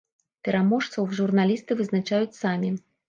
Пераможцаў журналісты вызначаюць самі.